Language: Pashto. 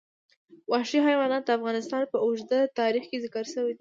وحشي حیوانات د افغانستان په اوږده تاریخ کې ذکر شوي دي.